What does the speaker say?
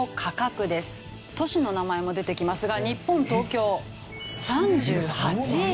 都市の名前も出てきますが日本東京３８位。